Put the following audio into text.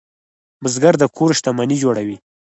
بزګر د کور شتمني جوړوي